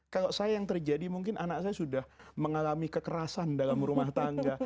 kalau saya yang terjadi mungkin anak saya sudah mengalami kekerasan dalam rumah tangga